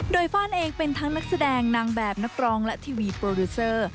โดยฟ่านเองเป็นทั้งนักแสดงนางแบบนักร้องและทีวีโปรดิวเซอร์